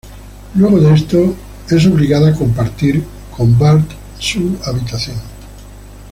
Luego de esto, es obligada a compartir con Bart su habitación.